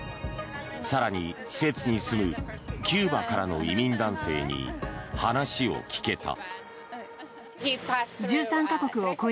更に、施設に住むキューバからの移民男性に話を聞けた。